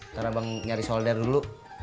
ntar abang nyari solder dulu